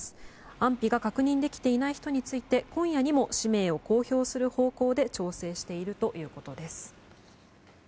安否が確認できていない人について今夜にも氏名を公表する方向で調整しているということです。